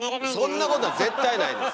そんなことは絶対ないです。